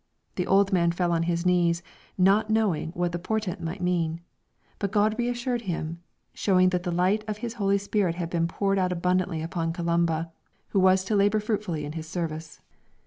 The old man fell on his knees, not knowing what the portent might mean; but God reassured him, showing that the light of His Holy Spirit had been poured out abundantly upon Columba, who was to labour fruitfully in His service.